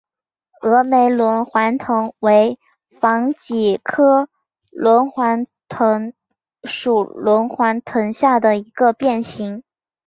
峨眉轮环藤为防己科轮环藤属轮环藤下的一个变型。